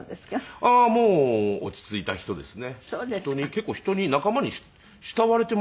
結構人に仲間に慕われていますね。